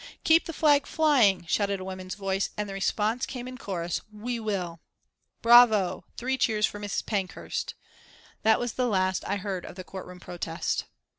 "Keep the flag flying!" shouted a woman's voice, and the response came in a chorus: "We will!" "Bravo!" "Three cheers for Mrs. Pankhurst!" That was the last I heard of the courtroom protest.